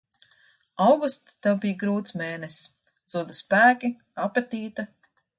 Augusts Tev bija grūts mēnesis – zuda spēki, apetīte.